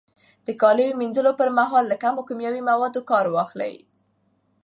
د کالو مینځلو پر مهال له کمو کیمیاوي موادو کار واخلئ.